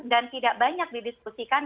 dan tidak banyak didiskusikan